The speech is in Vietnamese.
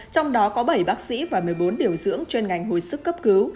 trong đó có bảy bác sĩ và một mươi bốn điều dưỡng chuyên ngành hồi sức cấp cứu